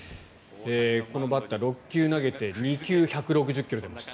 このバッターは６球投げて２球１６０ｋｍ出ました。